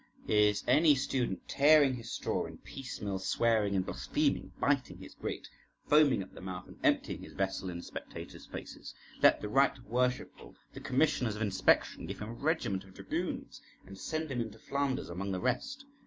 Is any student tearing his straw in piecemeal, swearing and blaspheming, biting his grate, foaming at the mouth, and emptying his vessel in the spectators' faces? Let the right worshipful the Commissioners of Inspection give him a regiment of dragoons, and send him into Flanders among the rest.